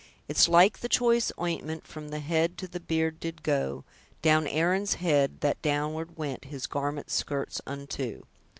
It's like the choice ointment, From the head to the beard did go; Down Aaron's head, that downward went His garment's skirts unto."